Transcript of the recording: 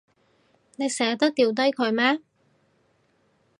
你捨得掉低佢咩？